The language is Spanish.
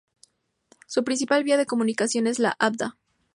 Su principal vía de comunicación es la Avda.